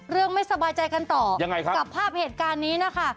เรื่องไม่สบายใจกันต่อกับภาพเหตุการณ์นี้นะคะ